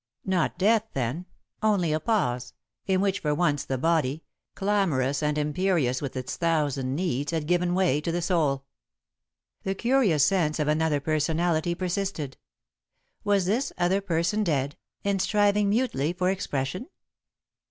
Not death, then, only a pause, in which for once the body, clamorous and imperious with its thousand needs, had given way to the soul. The curious sense of another personality persisted. Was this other person dead, and striving mutely for expression?